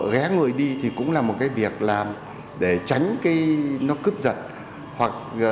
ghé người đi thì cũng là một việc làm để tránh cướp giận hoặc là khi đông người thì cũng cần có sự hỗ trợ của bà con trung quanh